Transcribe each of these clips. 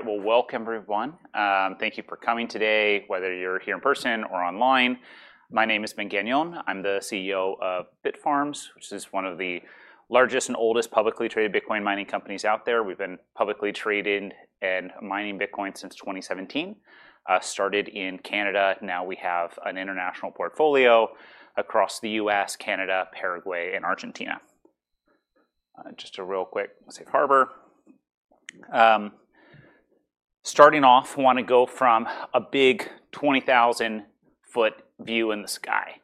All right, well, welcome, everyone. Thank you for coming today, whether you're here in person or online. My name is Ben Gagnon. I'm the CEO of Bitfarms, which is one of the largest and oldest publicly traded Bitcoin mining companies out there. We've been publicly traded and mining Bitcoin since 2017. Started in Canada. Now we have an international portfolio across the U.S., Canada, Paraguay, and Argentina. Just a real quick, I'll say, safe harbor. Starting off, I want to go from a big 20,000 ft view in the sky.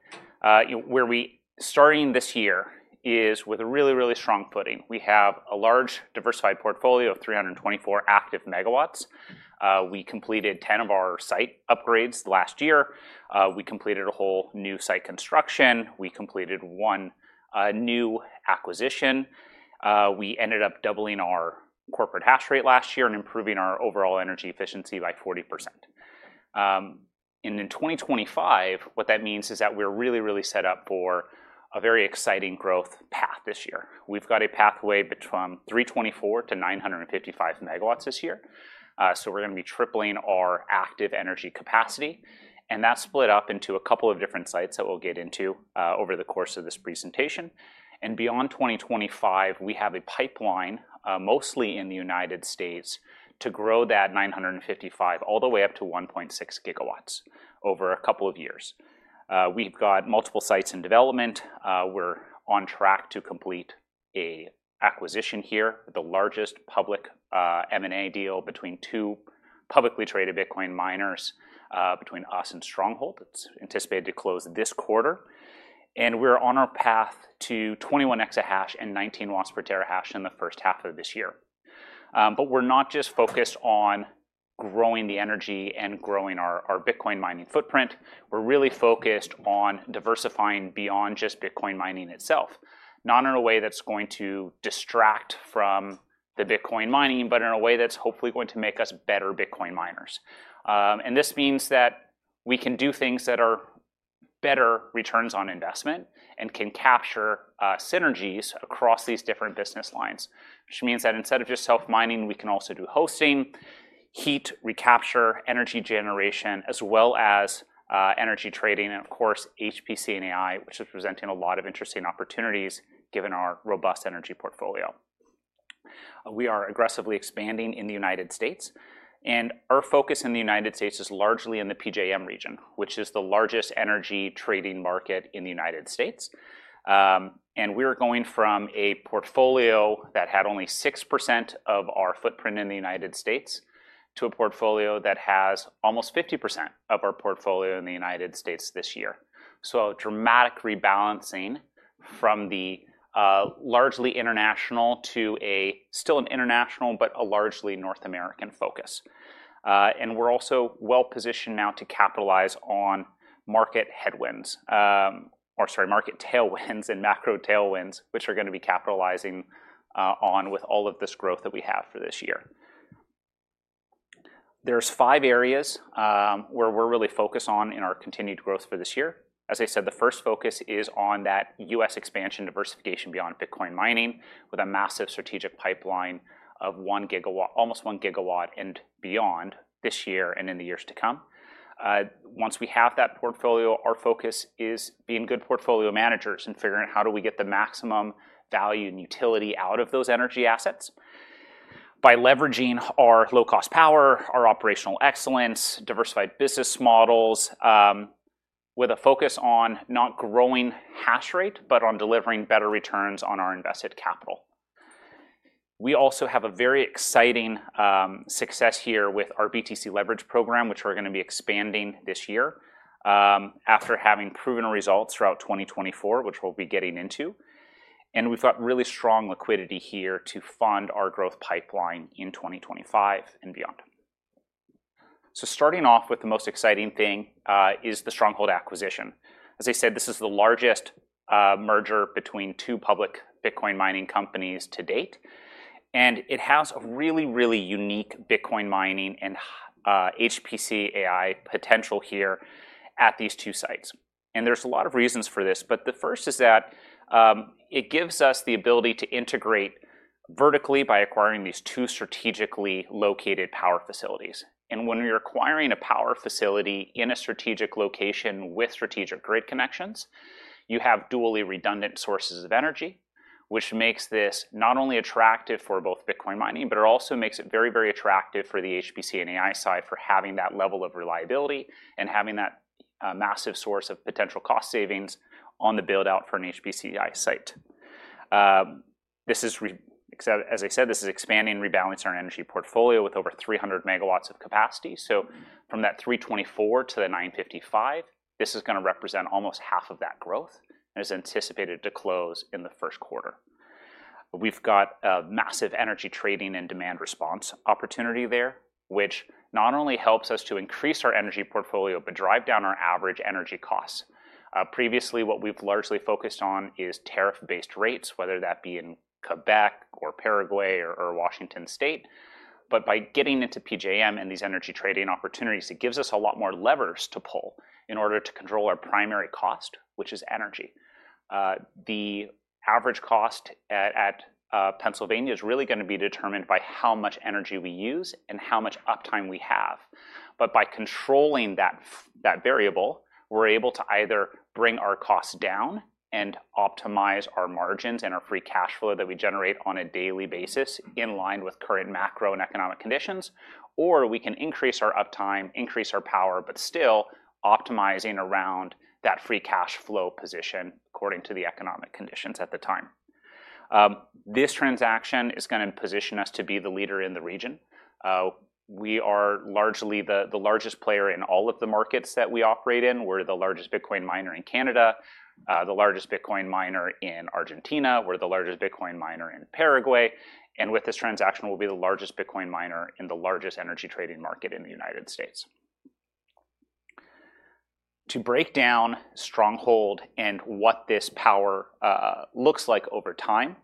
Where we starting this year is with a really, really strong footing. We have a large, diversified portfolio of 324 active megawatts. We completed 10 of our site upgrades last year. We completed a whole new site construction. We completed one new acquisition. We ended up doubling our corporate hash rate last year and improving our overall energy efficiency by 40%. In 2025, what that means is that we're really, really set up for a very exciting growth path this year. We've got a pathway between 324 MW-955 MW this year. We're going to be tripling our active energy capacity. That's split up into a couple of different sites that we'll get into over the course of this presentation. Beyond 2025, we have a pipeline, mostly in the United States, to grow that 955 all the way up to 1.6 GW over a couple of years. We've got multiple sites in development. We're on track to complete an acquisition here, the largest public M&A deal between two publicly traded Bitcoin miners, between us and Stronghold. It's anticipated to close this quarter. We're on our path to 21 exahash and 19 watts per terahash in the first half of this year. But we're not just focused on growing the energy and growing our Bitcoin mining footprint. We're really focused on diversifying beyond just Bitcoin mining itself, not in a way that's going to distract from the Bitcoin mining, but in a way that's hopefully going to make us better Bitcoin miners. And this means that we can do things that are better returns on investment and can capture synergies across these different business lines, which means that instead of just self-mining, we can also do hosting, heat recapture, energy generation, as well as energy trading. And of course, HPC and AI, which is presenting a lot of interesting opportunities given our robust energy portfolio. We are aggressively expanding in the United States. And our focus in the United States is largely in the PJM Region, which is the largest energy trading market in the United States. We are going from a portfolio that had only 6% of our footprint in the United States to a portfolio that has almost 50% of our portfolio in the United States this year. Dramatic rebalancing from the largely international to a still an international, but a largely North American focus. We're also well positioned now to capitalize on market headwinds, or sorry, market tailwinds and macro tailwinds, which are going to be capitalizing on with all of this growth that we have for this year. There are five areas where we're really focused on in our continued growth for this year. As I said, the first focus is on that U.S. expansion diversification beyond Bitcoin mining, with a massive strategic pipeline of almost 1 GW and beyond this year and in the years to come. Once we have that portfolio, our focus is being good portfolio managers and figuring out how do we get the maximum value and utility out of those energy assets by leveraging our low-cost power, our operational excellence, diversified business models, with a focus on not growing hash rate, but on delivering better returns on our invested capital. We also have a very exciting success here with our BTC leverage program, which we're going to be expanding this year after having proven results throughout 2024, which we'll be getting into, and we've got really strong liquidity here to fund our growth pipeline in 2025 and beyond, so starting off with the most exciting thing is the Stronghold acquisition. As I said, this is the largest merger between two public Bitcoin mining companies to date. And it has a really, really unique Bitcoin mining and HPC AI potential here at these two sites. And there's a lot of reasons for this. But the first is that it gives us the ability to integrate vertically by acquiring these two strategically located power facilities. And when you're acquiring a power facility in a strategic location with strategic grid connections, you have dually redundant sources of energy, which makes this not only attractive for both Bitcoin mining, but it also makes it very, very attractive for the HPC and AI side for having that level of reliability and having that massive source of potential cost savings on the build-out for an HPC AI site. As I said, this is expanding and rebalancing our energy portfolio with over 300 MW of capacity. From that 324 to the 955, this is going to represent almost half of that growth and is anticipated to close in the first quarter. We've got a massive energy trading and demand response opportunity there, which not only helps us to increase our energy portfolio, but drive down our average energy costs. Previously, what we've largely focused on is tariff-based rates, whether that be in Quebec or Paraguay or Washington State. But by getting into PJM and these energy trading opportunities, it gives us a lot more levers to pull in order to control our primary cost, which is energy. The average cost at Pennsylvania is really going to be determined by how much energy we use and how much uptime we have. But by controlling that variable, we're able to either bring our costs down and optimize our margins and our free cash flow that we generate on a daily basis in line with current macro and economic conditions, or we can increase our uptime, increase our power, but still optimizing around that free cash flow position according to the economic conditions at the time. This transaction is going to position us to be the leader in the region. We are largely the largest player in all of the markets that we operate in. We're the largest Bitcoin miner in Canada, the largest Bitcoin miner in Argentina. We're the largest Bitcoin miner in Paraguay. And with this transaction, we'll be the largest Bitcoin miner in the largest energy trading market in the United States. To break down Stronghold and what this power looks like over time,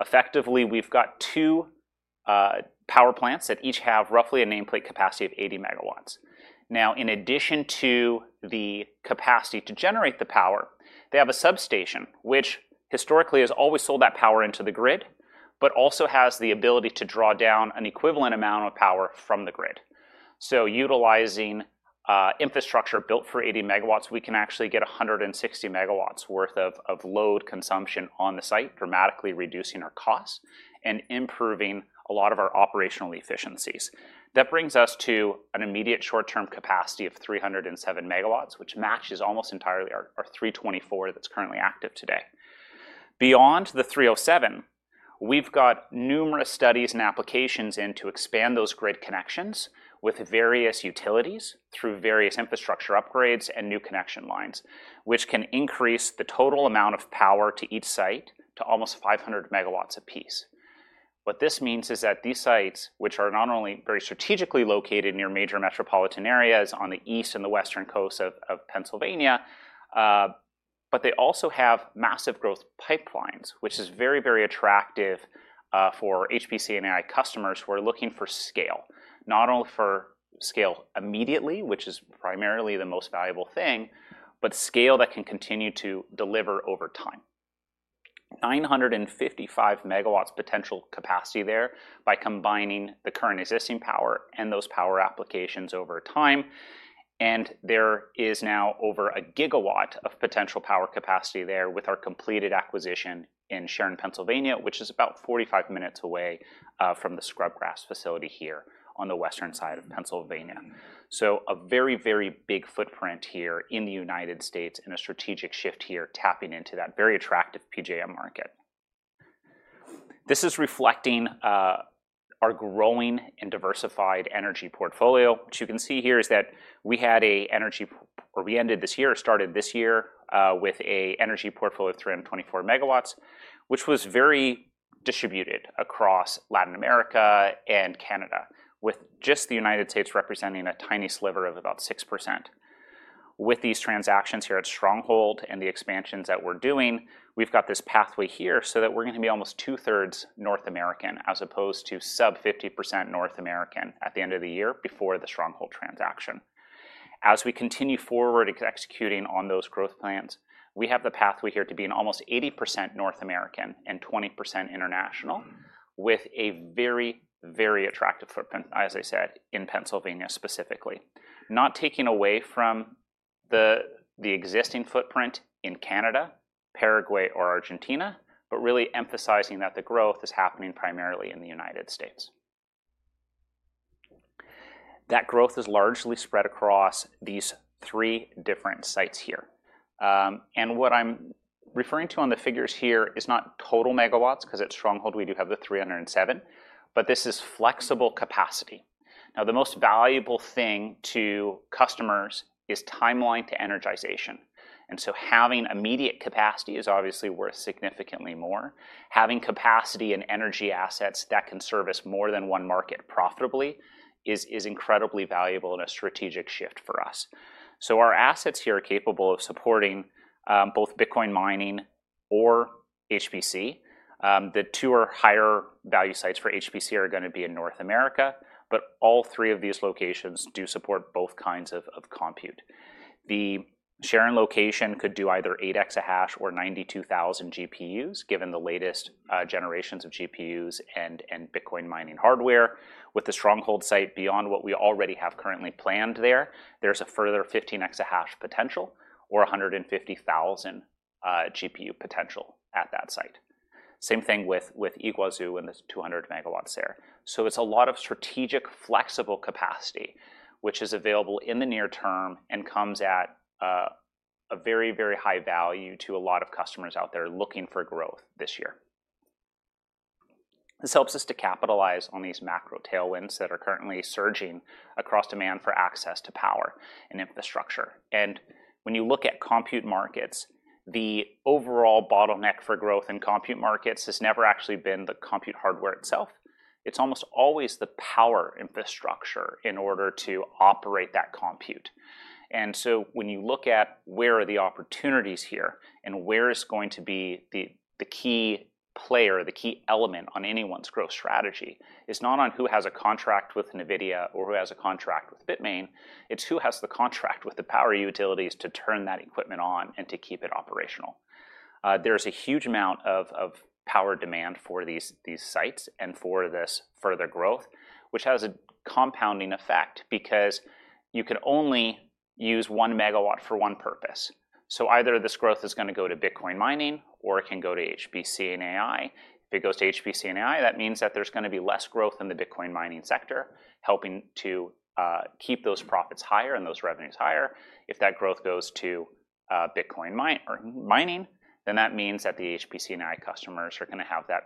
effectively, we've got two power plants that each have roughly a nameplate capacity of 80 MW. Now, in addition to the capacity to generate the power, they have a substation, which historically has always sold that power into the grid, but also has the ability to draw down an equivalent amount of power from the grid. So utilizing infrastructure built for 80 MW, we can actually get 160 MW worth of load consumption on the site, dramatically reducing our costs and improving a lot of our operational efficiencies. That brings us to an immediate short-term capacity of 307 MW, which matches almost entirely our 324 that's currently active today. Beyond the 307, we've got numerous studies and applications in to expand those grid connections with various utilities through various infrastructure upgrades and new connection lines, which can increase the total amount of power to each site to almost 500 MW apiece. What this means is that these sites, which are not only very strategically located near major metropolitan areas on the east and the western coast of Pennsylvania, but they also have massive growth pipelines, which is very, very attractive for HPC and AI customers who are looking for scale, not only for scale immediately, which is primarily the most valuable thing, but scale that can continue to deliver over time. 955 MW potential capacity there by combining the current existing power and those power applications over time. There is now over a gigawatt of potential power capacity there with our completed acquisition in Sharon, Pennsylvania, which is about 45 minutes away from the Scrubgrass facility here on the western side of Pennsylvania. A very, very big footprint here in the United States and a strategic shift here tapping into that very attractive PJM market. This is reflecting our growing and diversified energy portfolio. What you can see here is that we had an energy, or we ended this year, started this year with an energy portfolio of 324 MW, which was very distributed across Latin America and Canada, with just the United States representing a tiny sliver of about 6%. With these transactions here at Stronghold and the expansions that we're doing, we've got this pathway here so that we're going to be almost two-thirds North American as opposed to sub 50% North American at the end of the year before the Stronghold transaction. As we continue forward executing on those growth plans, we have the pathway here to be in almost 80% North American and 20% international with a very, very attractive footprint, as I said, in Pennsylvania specifically. Not taking away from the existing footprint in Canada, Paraguay, or Argentina, but really emphasizing that the growth is happening primarily in the United States. That growth is largely spread across these three different sites here. And what I'm referring to on the figures here is not total megawatts because at Stronghold we do have the 307, but this is flexible capacity. Now, the most valuable thing to customers is timeline to energization. And so having immediate capacity is obviously worth significantly more. Having capacity and energy assets that can service more than one market profitably is incredibly valuable and a strategic shift for us. So our assets here are capable of supporting both Bitcoin mining or HPC. The two higher value sites for HPC are going to be in North America, but all three of these locations do support both kinds of compute. The Sharon location could do either 8 EH/s or 92,000 GPUs, given the latest generations of GPUs and Bitcoin mining hardware. With the Stronghold site beyond what we already have currently planned there, there's a further 15 EH/s potential or 150,000 GPU potential at that site. Same thing with Iguazu and the 200 MW there. So it's a lot of strategic flexible capacity, which is available in the near term and comes at a very, very high value to a lot of customers out there looking for growth this year. This helps us to capitalize on these macro tailwinds that are currently surging across demand for access to power and infrastructure. And when you look at compute markets, the overall bottleneck for growth in compute markets has never actually been the compute hardware itself. It's almost always the power infrastructure in order to operate that compute. And so when you look at where are the opportunities here and where is going to be the key player, the key element on anyone's growth strategy, it's not on who has a contract with NVIDIA or who has a contract with Bitmain. It's who has the contract with the power utilities to turn that equipment on and to keep it operational. There's a huge amount of power demand for these sites and for this further growth, which has a compounding effect because you can only use 1 MW for one purpose. So either this growth is going to go to Bitcoin mining or it can go to HPC and AI. If it goes to HPC and AI, that means that there's going to be less growth in the Bitcoin mining sector, helping to keep those profits higher and those revenues higher. If that growth goes to Bitcoin mining, then that means that the HPC and AI customers are going to have that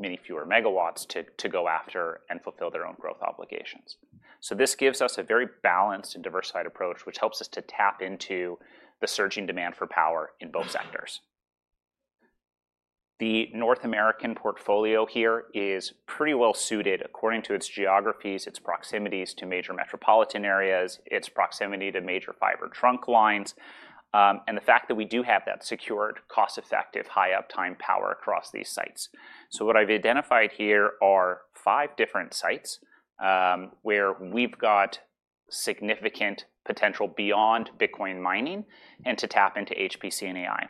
many fewer megawatts to go after and fulfill their own growth obligations. So this gives us a very balanced and diversified approach, which helps us to tap into the surging demand for power in both sectors. The North American portfolio here is pretty well suited according to its geographies, its proximities to major metropolitan areas, its proximity to major fiber trunk lines, and the fact that we do have that secured, cost-effective, high uptime power across these sites. So what I've identified here are five different sites where we've got significant potential beyond Bitcoin mining and to tap into HPC and AI.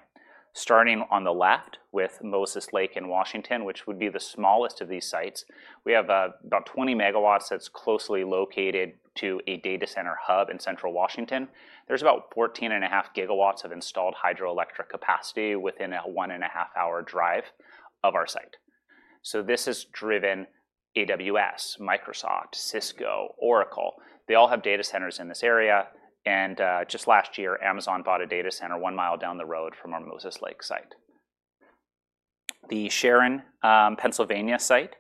Starting on the left with Moses Lake, Washington, which would be the smallest of these sites. We have about 20 MW that's closely located to a data center hub in central Washington. There's about 14.5 GW of installed hydroelectric capacity within a one and a half hour drive of our site. So this is driven by AWS, Microsoft, Cisco, Oracle. They all have data centers in this area. And just last year, Amazon bought a data center one mile down the road from our Moses Lake site. The Sharon, Pennsylvania site,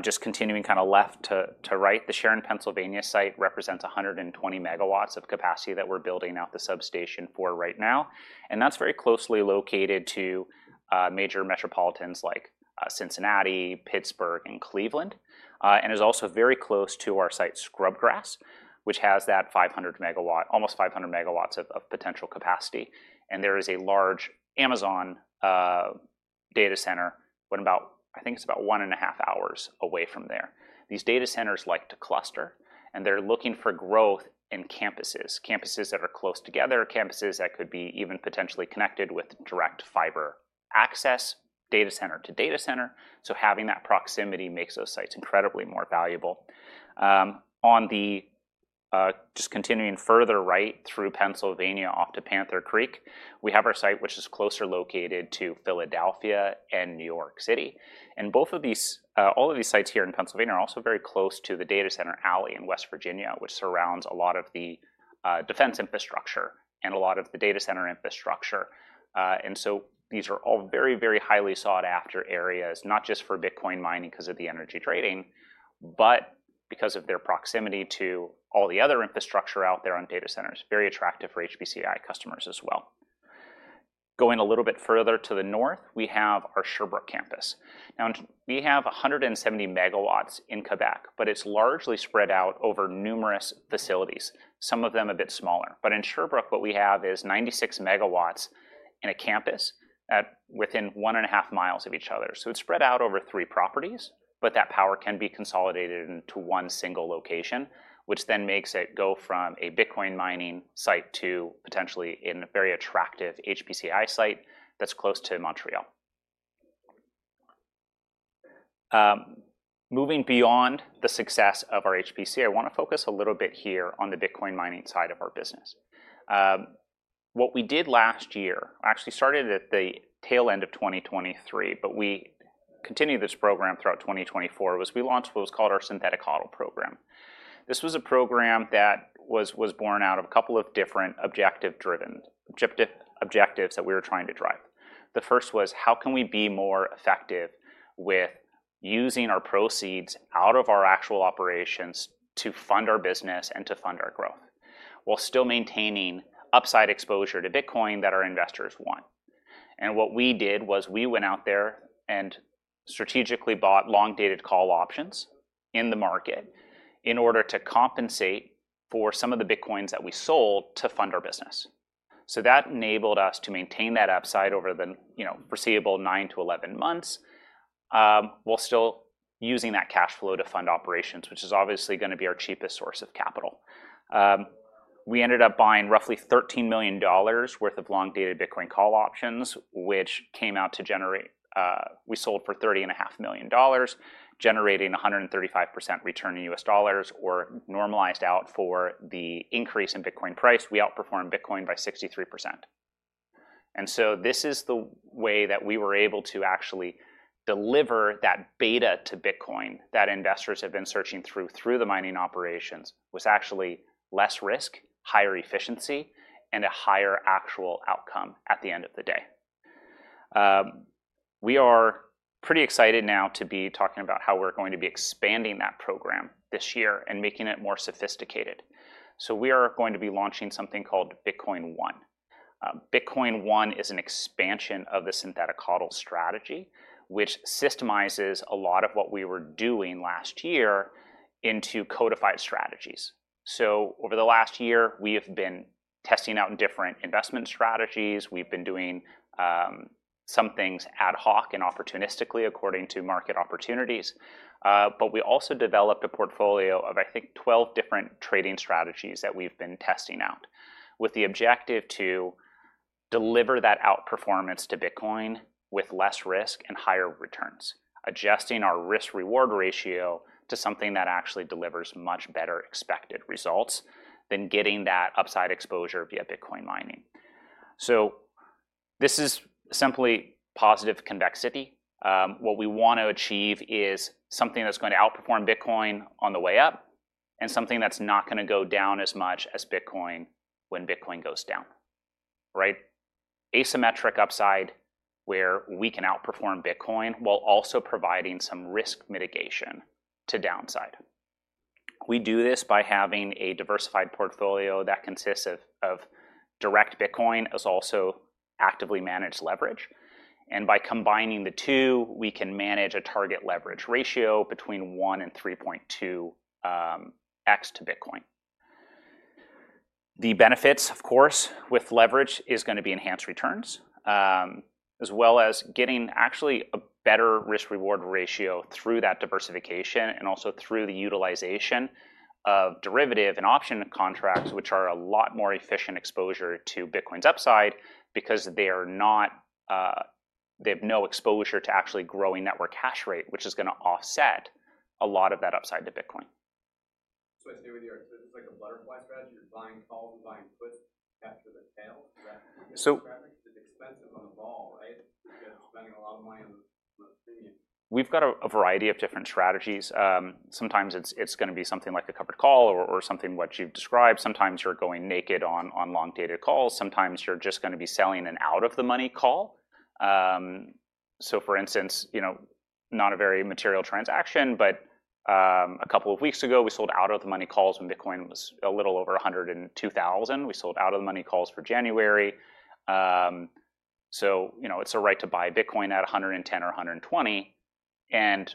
just continuing kind of left to right, the Sharon, Pennsylvania site represents 120 MW of capacity that we're building out the substation for right now. And that's very closely located to major metropolitans like Cincinnati, Pittsburgh, and Cleveland. And it's also very close to our site, Scrubgrass, which has that almost 500 MW of potential capacity. And there is a large Amazon data center about. I think it's about one and a half hours away from there. These data centers like to cluster, and they're looking for growth in campuses, campuses that are close together, campuses that could be even potentially connected with direct fiber access, data center to data center. So having that proximity makes those sites incredibly more valuable. Just continuing further right through Pennsylvania off to Panther Creek, we have our site, which is closer located to Philadelphia and New York City. And all of these sites here in Pennsylvania are also very close to the Data Center Alley in West Virginia, which surrounds a lot of the defense infrastructure and a lot of the data center infrastructure. And so these are all very, very highly sought-after areas, not just for Bitcoin mining because of the energy trading, but because of their proximity to all the other infrastructure out there on data centers. Very attractive for HPC AI customers as well. Going a little bit further to the north, we have our Sherbrooke campus. Now, we have 170 MW in Quebec, but it's largely spread out over numerous facilities, some of them a bit smaller. But in Sherbrooke, what we have is 96 MW in a campus within one and a half miles of each other. So it's spread out over three properties, but that power can be consolidated into one single location, which then makes it go from a Bitcoin mining site to potentially a very attractive HPC AI site that's close to Montreal. Moving beyond the success of our HPC, I want to focus a little bit here on the Bitcoin mining side of our business. What we did last year, actually started at the tail end of 2023, but we continued this program throughout 2024, was we launched what was called our Synthetic HODL program. This was a program that was born out of a couple of different objective driven objectives that we were trying to drive. The first was, how can we be more effective with using our proceeds out of our actual operations to fund our business and to fund our growth while still maintaining upside exposure to Bitcoin that our investors want? And what we did was we went out there and strategically bought long-dated call options in the market in order to compensate for some of the Bitcoins that we sold to fund our business. So that enabled us to maintain that upside over the foreseeable nine to 11 months while still using that cash flow to fund operations, which is obviously going to be our cheapest source of capital. We ended up buying roughly $13 million worth of long-dated Bitcoin call options, which came out to generate we sold for $30.5 million, generating 135% return in U.S. dollars or normalized out for the increase in Bitcoin price. We outperformed Bitcoin by 63%. And so this is the way that we were able to actually deliver that beta to Bitcoin that investors have been searching through the mining operations was actually less risk, higher efficiency, and a higher actual outcome at the end of the day. We are pretty excited now to be talking about how we're going to be expanding that program this year and making it more sophisticated. So we are going to be launching something called Bitcoin One. Bitcoin One is an expansion of the Synthetic HODL strategy, which systemizes a lot of what we were doing last year into codified strategies. So over the last year, we have been testing out different investment strategies. We've been doing some things ad hoc and opportunistically according to market opportunities. But we also developed a portfolio of, I think, 12 different trading strategies that we've been testing out with the objective to deliver that outperformance to Bitcoin with less risk and higher returns, adjusting our risk-reward ratio to something that actually delivers much better expected results than getting that upside exposure via Bitcoin mining. So this is simply positive convexity. What we want to achieve is something that's going to outperform Bitcoin on the way up and something that's not going to go down as much as Bitcoin when Bitcoin goes down. Asymmetric upside where we can outperform Bitcoin while also providing some risk mitigation to downside. We do this by having a diversified portfolio that consists of direct Bitcoin as well as actively managed leverage. And by combining the two, we can manage a target leverage ratio between 1 and 3.2x to Bitcoin. The benefits, of course, with leverage is going to be enhanced returns as well as getting actually a better risk-reward ratio through that diversification and also through the utilization of derivative and option contracts, which are a lot more efficient exposure to Bitcoin's upside because they have no exposure to actually growing network hash rate, which is going to offset a lot of that upside to Bitcoin. So I'd say with your, it's like a butterfly strategy. You're buying calls, you're buying puts after the tail. Is that the graphic? It's expensive overall, right? You're spending a lot of money on the premium. We've got a variety of different strategies. Sometimes it's going to be something like a covered call or something what you've described. Sometimes you're going naked on long-dated calls. Sometimes you're just going to be selling an out-of-the-money call. So for instance, not a very material transaction, but a couple of weeks ago, we sold out-of-the-money calls when Bitcoin was a little over $102,000. We sold out-of-the-money calls for January. So it's a right to buy Bitcoin at $110 or $120. And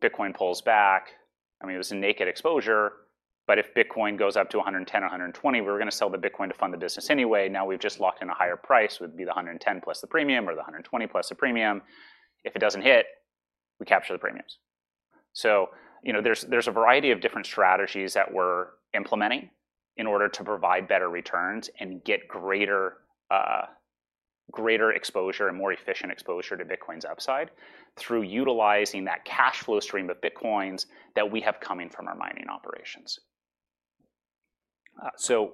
Bitcoin pulls back. I mean, it was a naked exposure, but if Bitcoin goes up to $110 or $120, we're going to sell the Bitcoin to fund the business anyway. Now we've just locked in a higher price, would be the $110 plus the premium or the $120 plus the premium. If it doesn't hit, we capture the premiums. So there's a variety of different strategies that we're implementing in order to provide better returns and get greater exposure and more efficient exposure to Bitcoin's upside through utilizing that cash flow stream of Bitcoins that we have coming from our mining operations. So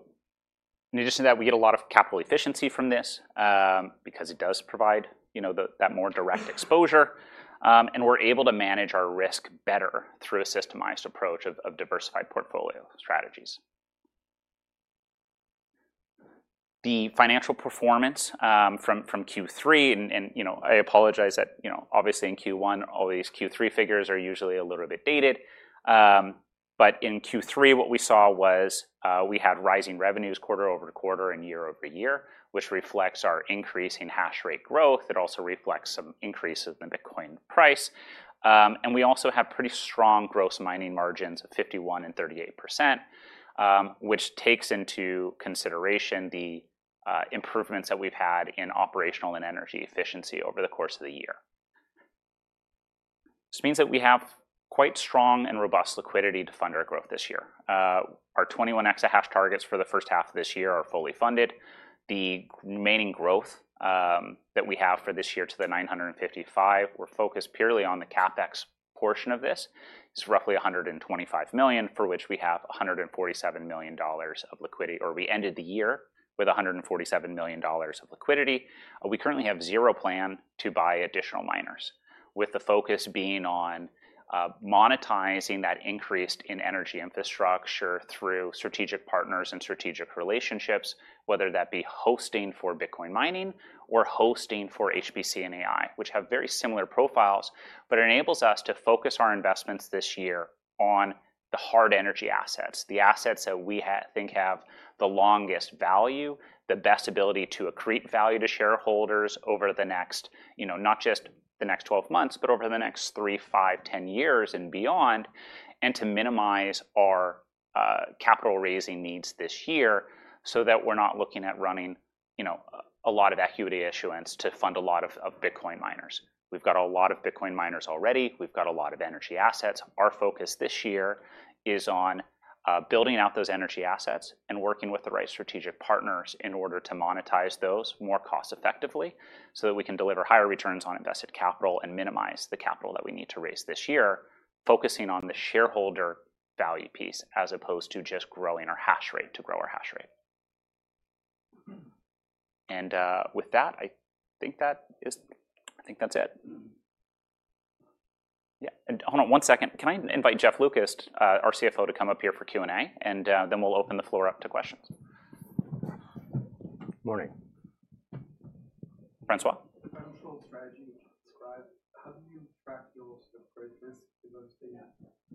in addition to that, we get a lot of capital efficiency from this because it does provide that more direct exposure. And we're able to manage our risk better through a systemized approach of diversified portfolio strategies. The financial performance from Q3, and I apologize that obviously in Q1, all these Q3 figures are usually a little bit dated. But in Q3, what we saw was we had rising revenues quarter-over-quarter and year-over-year, which reflects our increasing hash rate growth. It also reflects some increase in the Bitcoin price. And we also have pretty strong gross mining margins of 51% and 38%, which takes into consideration the improvements that we've had in operational and energy efficiency over the course of the year. This means that we have quite strong and robust liquidity to fund our growth this year. Our 21 exahash targets for the first half of this year are fully funded. The remaining growth that we have for this year to the 955, we're focused purely on the CapEx portion of this. It's roughly $125 million, for which we have $147 million of liquidity, or we ended the year with $147 million of liquidity. We currently have zero plan to buy additional miners, with the focus being on monetizing that increase in energy infrastructure through strategic partners and strategic relationships, whether that be hosting for Bitcoin mining or hosting for HPC and AI, which have very similar profiles, but it enables us to focus our investments this year on the hard energy assets, the assets that we think have the longest value, the best ability to accrete value to shareholders over the next, not just the next 12 months, but over the next three, five, 10 years and beyond, and to minimize our capital raising needs this year so that we're not looking at running a lot of equity issuance to fund a lot of Bitcoin miners. We've got a lot of Bitcoin miners already. We've got a lot of energy assets. Our focus this year is on building out those energy assets and working with the right strategic partners in order to monetize those more cost-effectively so that we can deliver higher returns on invested capital and minimize the capital that we need to raise this year, focusing on the shareholder value piece as opposed to just growing our hash rate to grow our hash rate. And with that, I think that's it. Yeah. Hold on one second. Can I invite Jeff Lucas, our CFO, to come up here for Q&A, and then we'll open the floor up to questions. Morning. Francois? Financial strategy you describe, how do you track your risk? Because I was thinking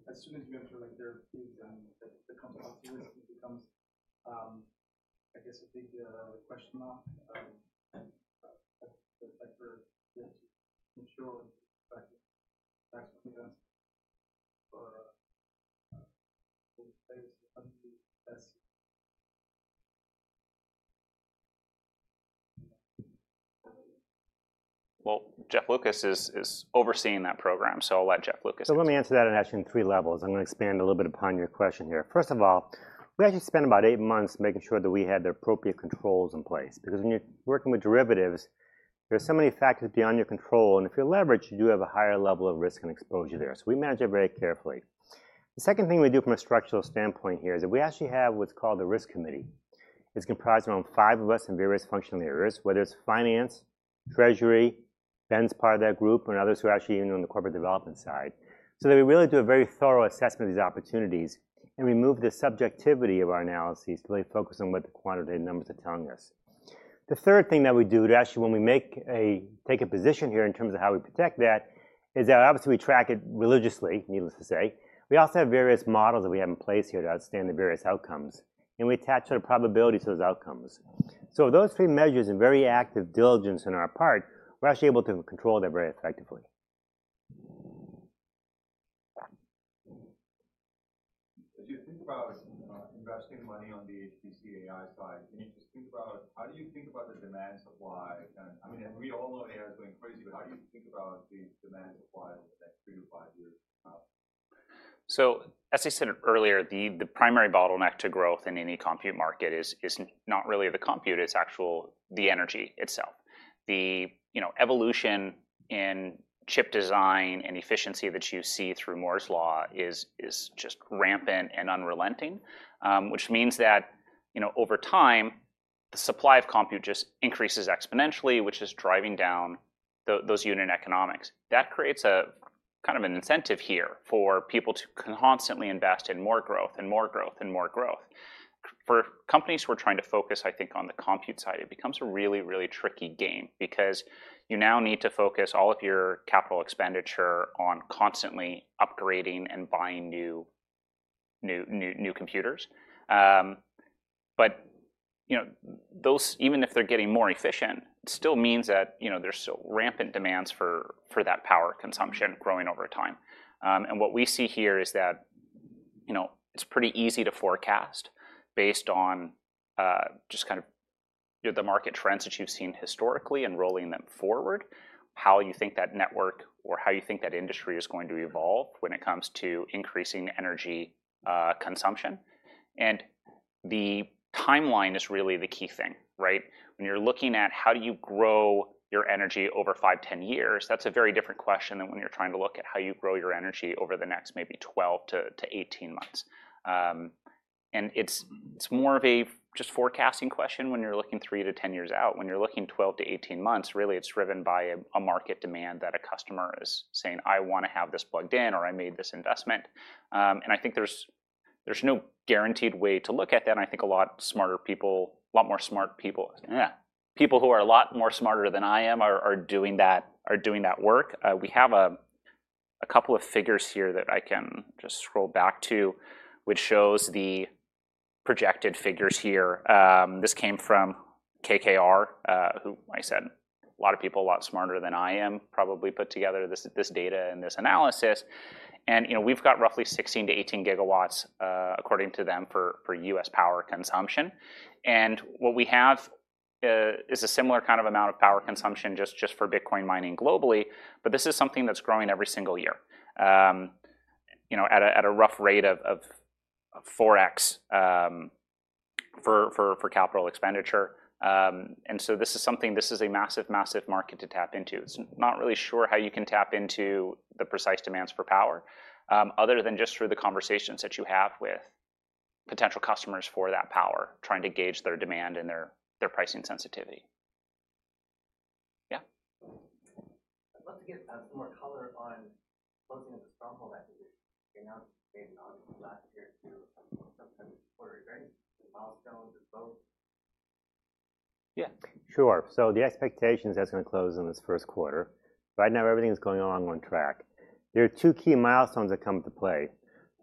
as soon as you enter there are things that come to pass, it becomes, I guess, a big question mark. Well, Jeff Lucas is overseeing that program, so I'll let Jeff Lucas. So let me answer that in, actually, in three levels. I'm going to expand a little bit upon your question here. First of all, we actually spent about eight months making sure that we had the appropriate controls in place because when you're working with derivatives, there are so many factors beyond your control. And if you're leveraged, you do have a higher level of risk and exposure there. So we manage it very carefully. The second thing we do from a structural standpoint here is that we actually have what's called the Risk Committee. It's comprised of around five of us in various functional areas, whether it's finance, treasury, Ben's part of that group, and others who are actually in the corporate development side. So that we really do a very thorough assessment of these opportunities and remove the subjectivity of our analyses to really focus on what the quantitative numbers are telling us. The third thing that we do, actually, when we take a position here in terms of how we protect that, is that obviously we track it religiously, needless to say. We also have various models that we have in place here to understand the various outcomes, and we attach sort of probabilities to those outcomes. So those three measures and very active diligence on our part, we're actually able to control them very effectively. As you think about investing money on the HPC AI side, can you just think about how do you think about the demand supply? I mean, we all know AI is going crazy, but how do you think about the demand supply over the next three to five years? So as I said earlier, the primary bottleneck to growth in any compute market is not really the compute, it's actually the energy itself. The evolution in chip design and efficiency that you see through Moore's Law is just rampant and unrelenting, which means that over time, the supply of compute just increases exponentially, which is driving down those unit economics. That creates kind of an incentive here for people to constantly invest in more growth and more growth and more growth. For companies who are trying to focus, I think, on the compute side, it becomes a really, really tricky game because you now need to focus all of your capital expenditure on constantly upgrading and buying new computers. But even if they're getting more efficient, it still means that there's rampant demands for that power consumption growing over time. And what we see here is that it's pretty easy to forecast based on just kind of the market trends that you've seen historically and rolling them forward, how you think that network or how you think that industry is going to evolve when it comes to increasing energy consumption. And the timeline is really the key thing, right? When you're looking at how do you grow your energy over five, 10 years, that's a very different question than when you're trying to look at how you grow your energy over the next maybe 12 to 18 months. And it's more of a just forecasting question when you're looking three to 10 years out. When you're looking 12 to 18 months, really it's driven by a market demand that a customer is saying, "I want to have this plugged in or I made this investment." And I think there's no guaranteed way to look at that. And I think a lot smarter people, a lot more smart people, people who are a lot more smarter than I am are doing that work. We have a couple of figures here that I can just scroll back to, which shows the projected figures here. This came from KKR, who I said, a lot of people a lot smarter than I am probably put together this data and this analysis. And we've got roughly 16 GW-18 GW, according to them, for U.S. power consumption. What we have is a similar kind of amount of power consumption just for Bitcoin mining globally, but this is something that's growing every single year at a rough rate of 4x for capital expenditure. This is something, this is a massive, massive market to tap into. It's not really sure how you can tap into the precise demands for power other than just through the conversations that you have with potential customers for that power, trying to gauge their demand and their pricing sensitivity. Yeah? I'd love to get some more color on closing of the Stronghold. I think they announced maybe last year or two, some kind of quarterly regulatory milestones that both. Yeah, sure. The expectation is that's going to close in this first quarter. Right now, everything is going along on track. There are two key milestones that come into play.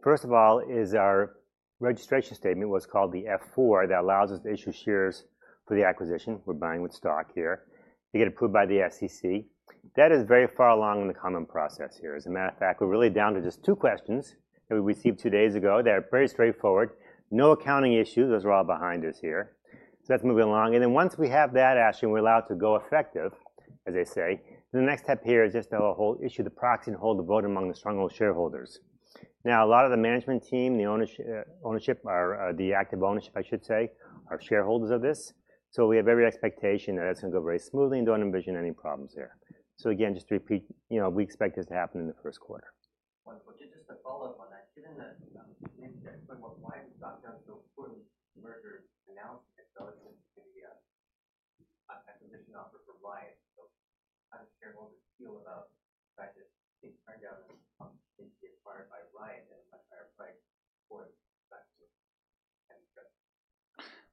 First of all is our registration statement, what's called the Form F-4, that allows us to issue shares for the acquisition. We're buying with stock here. You get approved by the SEC. That is very far along in the common process here. As a matter of fact, we're really down to just two questions that we received two days ago that are very straightforward. No accounting issues. Those are all behind us here. So that's moving along. And then once we have that, actually, we're allowed to go effective, as they say. The next step here is just to issue the proxy and hold the vote among the Stronghold shareholders. Now, a lot of the management team, the ownership, or the active ownership, I should say, are shareholders of this. So we have every expectation that it's going to go very smoothly and don't envision any problems there. So again, just to repeat, we expect this to happen in the first quarter. Wonderful. Just a follow-up on that. Given that maybe to explain why Stronghold's so important. Riot announced that it's going to be an acquisition offer for Riot. So how does shareholders feel about the fact that things turned out and the company is being acquired by Riot at a much higher price for Stronghold?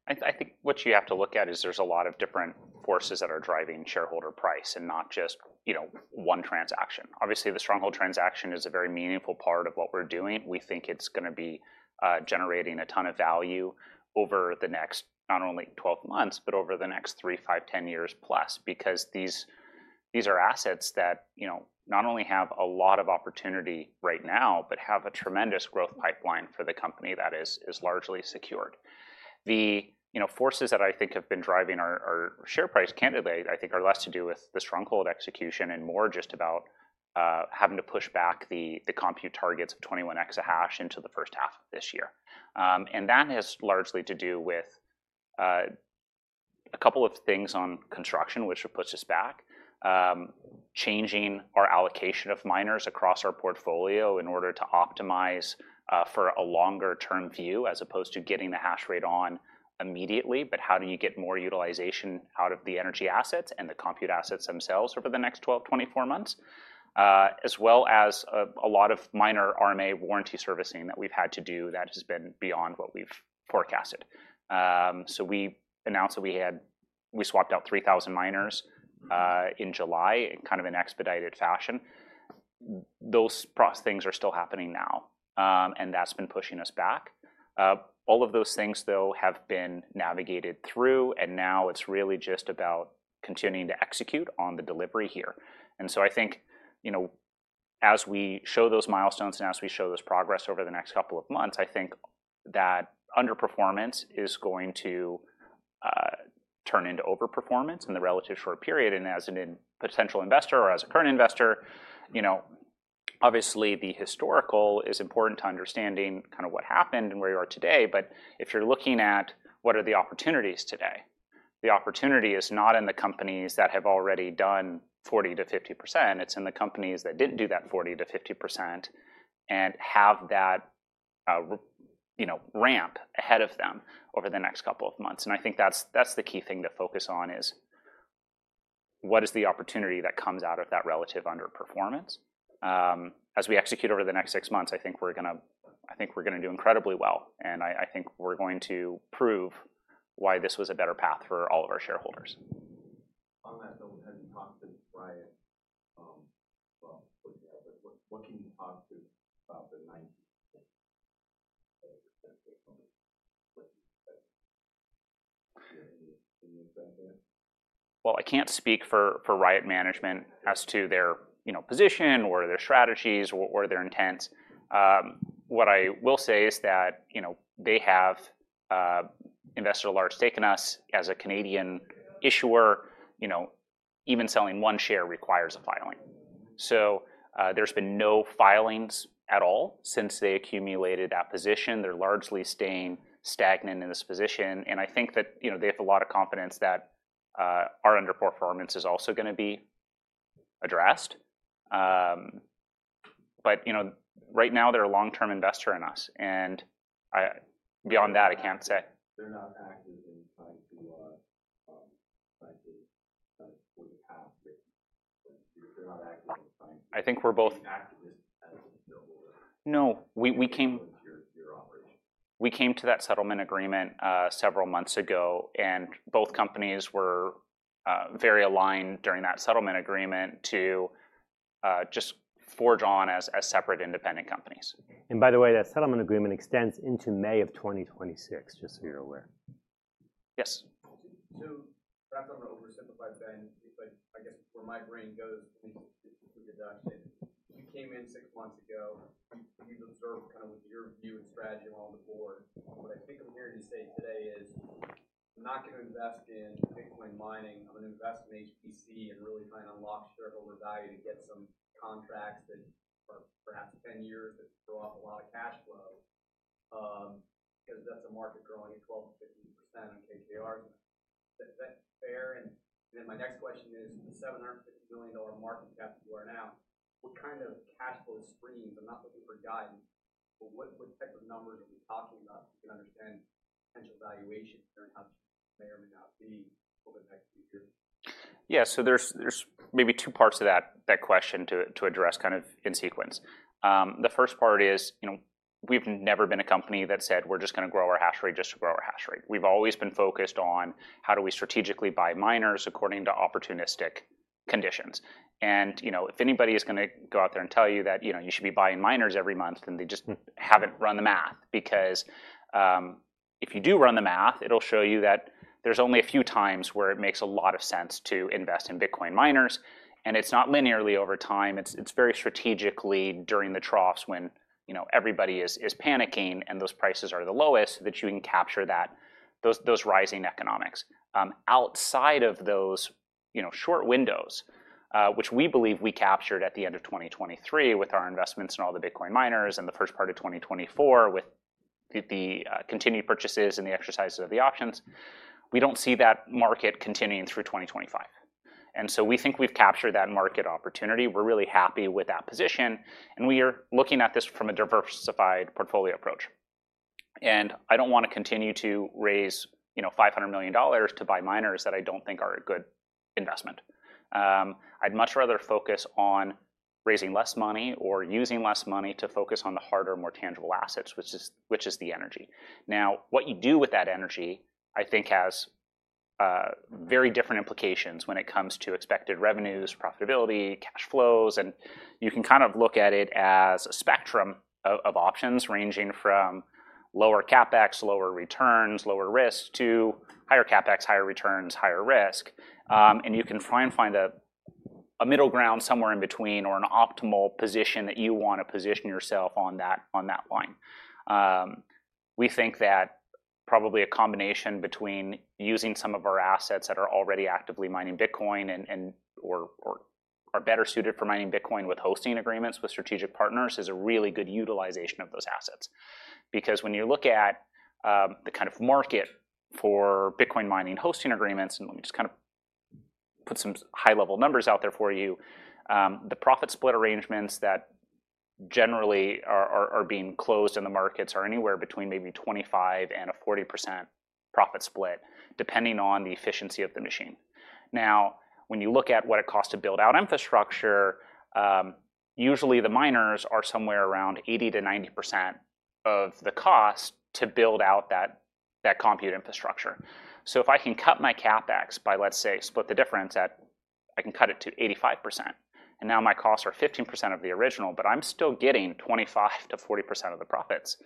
I think what you have to look at is there's a lot of different forces that are driving shareholder price and not just one transaction. Obviously, the Stronghold transaction is a very meaningful part of what we're doing. We think it's going to be generating a ton of value over the next not only 12 months, but over the next three, five, 10 years plus because these are assets that not only have a lot of opportunity right now, but have a tremendous growth pipeline for the company that is largely secured. The forces that I think have been driving our share price, candidly, I think are less to do with the Stronghold execution and more just about having to push back the compute targets of 21 exahash into the first half of this year. That has largely to do with a couple of things on construction, which puts us back, changing our allocation of miners across our portfolio in order to optimize for a longer-term view as opposed to getting the hash rate on immediately. But how do you get more utilization out of the energy assets and the compute assets themselves over the next 12, 24 months, as well as a lot of minor RMA warranty servicing that we've had to do that has been beyond what we've forecasted? So we announced that we swapped out 3,000 miners in July in kind of an expedited fashion. Those things are still happening now, and that's been pushing us back. All of those things, though, have been navigated through, and now it's really just about continuing to execute on the delivery here. And so I think as we show those milestones and as we show this progress over the next couple of months, I think that underperformance is going to turn into overperformance in the relatively short period. As a potential investor or as a current investor, obviously, the historical is important to understanding kind of what happened and where you are today. If you're looking at what are the opportunities today, the opportunity is not in the companies that have already done 40%-50%. It's in the companies that didn't do that 40%-50% and have that ramp ahead of them over the next couple of months. I think that's the key thing to focus on is what is the opportunity that comes out of that relative underperformance. As we execute over the next six months, I think we're going to do incredibly well. I think we're going to prove why this was a better path for all of our shareholders. On that note, we hadn't talked to Riot about putting out, but what can you talk to about the 90%? Can you expect that? Well, I can't speak for Riot's management as to their position or their strategies or their intents. What I will say is that they have taken us as a Canadian issuer. Even selling one share requires a filing. So there's been no filings at all since they accumulated that position. They're largely staying stagnant in this position. And I think that they have a lot of confidence that our underperformance is also going to be addressed. But right now, they're a long-term investor in us. And beyond that, I can't say. They're not active in trying to, for the past. I think we're both activists as well. But no. We came to that settlement agreement several months ago, and both companies were very aligned during that settlement agreement to just forge on as separate independent companies. By the way, that settlement agreement extends into May of 2026, just so you're aware. Yes. To wrap up and oversimplify, Ben, I guess where my brain goes is to deduction. You came in six months ago. You've observed kind of with your view and strategy along the board. What I think I'm hearing you say today is, "I'm not going to invest in Bitcoin mining. I'm going to invest in HPC and really try and unlock shareholder value to get some contracts that are perhaps 10 years that draw up a lot of cash flow because that's a market growing at 12%-15% on KKR." Is that fair? And then my next question is, the $750 million market cap you are now, what kind of cash flow stream? I'm not looking for guidance, but what type of numbers are we talking about to understand potential valuation and how it may or may not be over the next few years? Yeah. So there's maybe two parts to that question to address kind of in sequence. The first part is we've never been a company that said, "We're just going to grow our hash rate just to grow our hash rate." We've always been focused on how do we strategically buy miners according to opportunistic conditions. And if anybody is going to go out there and tell you that you should be buying miners every month, then they just haven't run the math because if you do run the math, it'll show you that there's only a few times where it makes a lot of sense to invest in Bitcoin miners. And it's not linearly over time. It's very strategically during the troughs when everybody is panicking and those prices are the lowest that you can capture those rising economics. Outside of those short windows, which we believe we captured at the end of 2023 with our investments in all the Bitcoin miners and the first part of 2024 with the continued purchases and the exercises of the options, we don't see that market continuing through 2025. And we think we've captured that market opportunity. We're really happy with that position. And we are looking at this from a diversified portfolio approach. And I don't want to continue to raise $500 million to buy miners that I don't think are a good investment. I'd much rather focus on raising less money or using less money to focus on the harder, more tangible assets, which is the energy. Now, what you do with that energy, I think, has very different implications when it comes to expected revenues, profitability, cash flows, and you can kind of look at it as a spectrum of options ranging from lower CapEx, lower returns, lower risk to higher CapEx, higher returns, higher risk, and you can try and find a middle ground somewhere in between or an optimal position that you want to position yourself on that line. We think that probably a combination between using some of our assets that are already actively mining Bitcoin or are better suited for mining Bitcoin with hosting agreements with strategic partners is a really good utilization of those assets. Because when you look at the kind of market for Bitcoin mining hosting agreements, and let me just kind of put some high-level numbers out there for you, the profit split arrangements that generally are being closed in the markets are anywhere between maybe 25% and a 40% profit split, depending on the efficiency of the machine. Now, when you look at what it costs to build out infrastructure, usually the miners are somewhere around 80%-90% of the cost to build out that compute infrastructure. So if I can cut my CapEx by, let's say, split the difference, I can cut it to 85%. And now my costs are 15% of the original, but I'm still getting 25%-40% of the profits.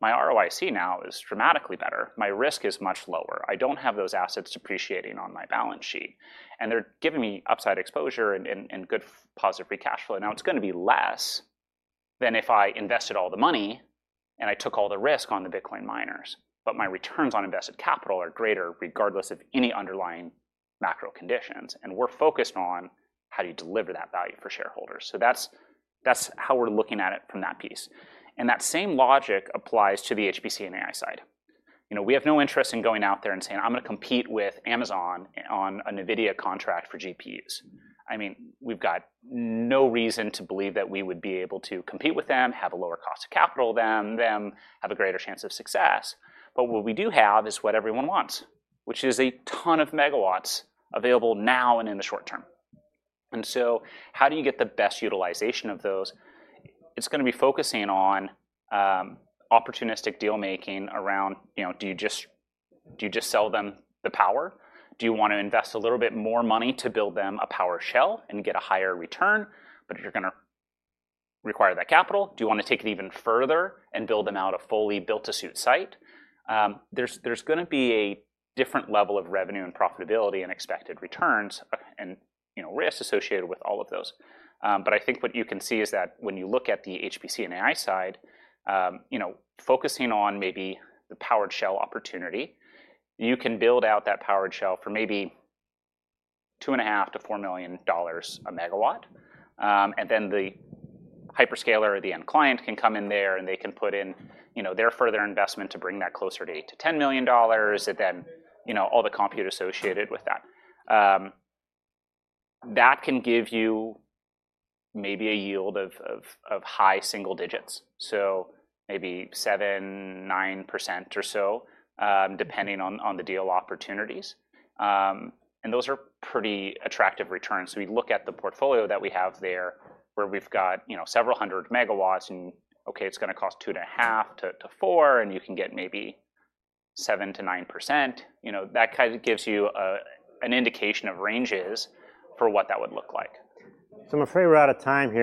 My ROIC now is dramatically better. My risk is much lower. I don't have those assets depreciating on my balance sheet. They're giving me upside exposure and good positive free cash flow. Now, it's going to be less than if I invested all the money and I took all the risk on the Bitcoin miners. But my returns on invested capital are greater regardless of any underlying macro conditions. They're focused on how do you deliver that value for shareholders. That's how we're looking at it from that piece. That same logic applies to the HPC and AI side. We have no interest in going out there and saying, "I'm going to compete with Amazon on a NVIDIA contract for GPUs." I mean, we've got no reason to believe that we would be able to compete with them, have a lower cost of capital than them, have a greater chance of success. But what we do have is what everyone wants, which is a ton of megawatts available now and in the short term. And so how do you get the best utilization of those? It's going to be focusing on opportunistic deal-making around, do you just sell them the power? Do you want to invest a little bit more money to build them a powered shell and get a higher return? But if you're going to require that capital, do you want to take it even further and build them out a fully built-to-suit site? There's going to be a different level of revenue and profitability and expected returns and risk associated with all of those. I think what you can see is that when you look at the HPC and AI side, focusing on maybe the powered shell opportunity, you can build out that powered shell for maybe $2.5 million-$4 million a megawatt. Then the hyperscaler or the end client can come in there and they can put in their further investment to bring that closer to $8 million-$10 million and then all the compute associated with that. That can give you maybe a yield of high single digits, so maybe 7%-9% or so, depending on the deal opportunities. Those are pretty attractive returns. We look at the portfolio that we have there where we've got several hundred megawatts and, okay, it's going to cost $2.5 million-$4 million, and you can get maybe 7%-9%. That kind of gives you an indication of ranges for what that would look like. So I'm afraid we're out of time.